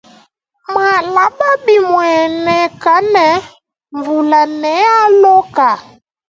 Malaba bimuaneka ne mvula ne aloka.